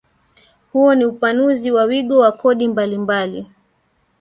Huo ni upanuzi wa wigo wa kodi mbalimbali